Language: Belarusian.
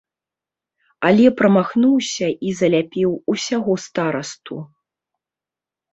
Але прамахнуўся і заляпіў усяго старасту.